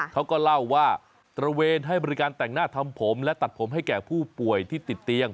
เขาก็เล่าว่าตระเวนให้บริการแต่งหน้าทำผมและตัดผมให้แก่ผู้ป่วยที่ติดเตียง